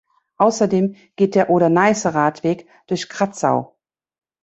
Außerdem geht der Oder-Neiße-Radweg durch Kratzau.